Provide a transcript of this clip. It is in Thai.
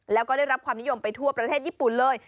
แล้วก็ได้รับความนิยมไปทั่วประเทศญี่ปุ่นเลย